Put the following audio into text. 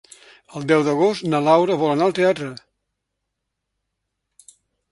El deu d'agost na Laura vol anar al teatre.